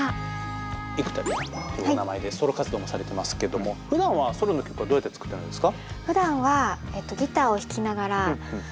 幾田りらってお名前でソロ活動もされてますけどもふだんはソロの曲はどうやって作ってるんですか？